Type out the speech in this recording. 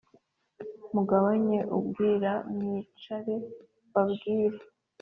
mugabanye ubwira mwicare mbabwire